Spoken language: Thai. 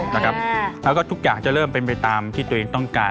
แล้วก็ทุกอย่างจะเริ่มเป็นไปตามที่ตัวเองต้องการ